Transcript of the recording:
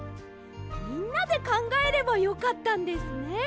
みんなでかんがえればよかったんですね！